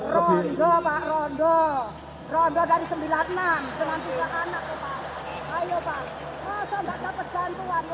rondo pak rondo rondo dari sembilan puluh enam dengan tiga anak pak